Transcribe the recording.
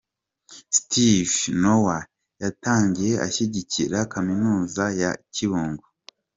Steve Noah yatangiye ashyigikira Kaminuza ya Kibungo.